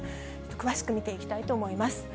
詳しく見ていきたいと思います。